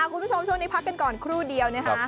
คุณผู้ชมช่วงนี้พักกันก่อนครู่เดียวนะคะ